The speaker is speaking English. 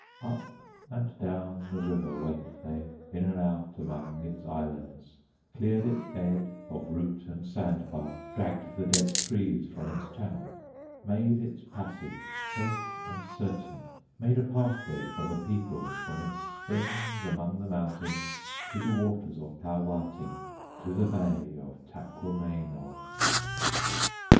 Up and down the river went they, In and out among its islands, Cleared its bed of root and sand bar, Dragged the dead trees from its channel, Made its passage safe and certain, Made a pathway for the people, From its springs among the mountains, To the waters of Pauwating, To the bay of Taquamenaw.